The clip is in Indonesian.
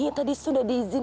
kan pengemis itu kasian